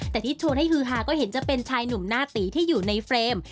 แต่ที่ชวนให้ฮือฮาก็เห็นจะเป็นชายหนุ่มหน้าตีที่อยู่ในเฟรม